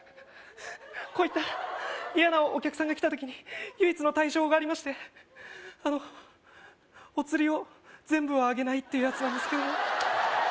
こういった嫌なお客さんが来た時に唯一の対処法がありましてあのおつりを全部はあげないっていうやつなんですけどね